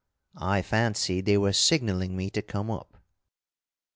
I fancied they were signalling me to come up.